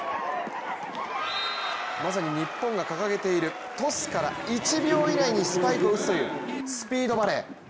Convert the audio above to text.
まさに日本が掲げているトスから１秒以内にスパイクを打つというスピードバレー。